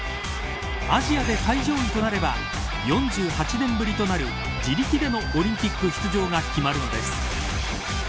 アジアで最上位となれば４８年ぶりとなる自力でのオリンピック出場が決まるのです。